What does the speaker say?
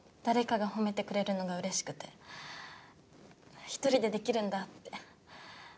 誰かが褒めてくれるのがうれしくて「１人でできるんだ」って。